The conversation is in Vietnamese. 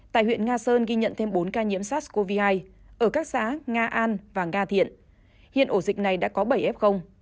tại huyện nga sơn ghi nhận thêm bốn ca nhiễm sars cov hai ở các xã nga an và nga thiện hiện ổ dịch này đã có bảy f